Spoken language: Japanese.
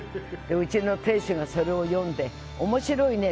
うちの亭主がそれを読んで面白いね。